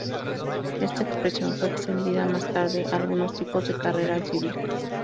Esta expresión fue extendida más tarde a algunos tipos de carrera civil.